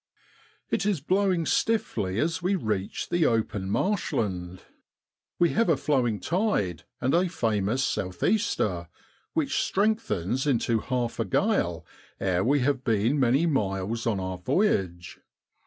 103 It is blowing stiffly as we reach the open marshland; we have a flowing tide and a famous south easter, which strengthens into half a gale ere we have been many miles on our voyage.